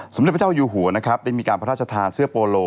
สมเด็จพระเจ้าอยู่หัวนะครับได้มีการพระราชทานเสื้อโปโล